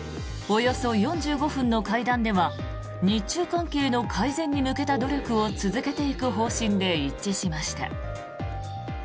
およそ４５分の会談では日中関係の改善に向けた努力を続けていく方針で一致しました。